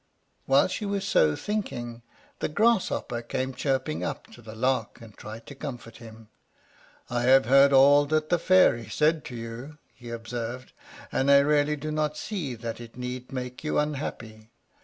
While she was so thinking, the Grasshopper came chirping up to the Lark, and tried to comfort him. "I have heard all that the Fairy said to you," he observed, "and I really do not see that it need make you unhappy.